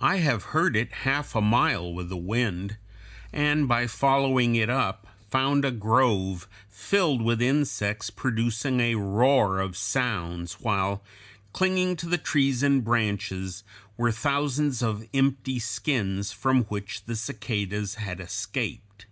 I have heard it half a mile with the wind, and by following it up found a grove filled with insects producing a roar of sounds, while, clinging to the trees and branches, were thousands of empty skins from which the cicadas had escaped.